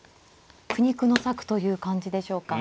苦肉の策という感じでしょうか。